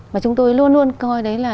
mà chúng tôi luôn luôn coi đấy là